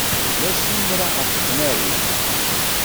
Ulac imra ɣef tnarit.